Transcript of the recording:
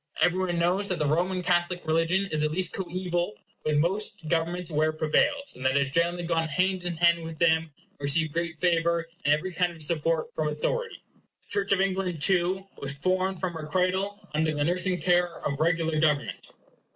Every one knows that the Roman Catholic religion is at least co eval with most of the governments where it prevails; that it has generally gone hand in hand with them, and received great favor and every kind of support from authority. The Church of England too was formed from her cradle under the nursing care of regular government.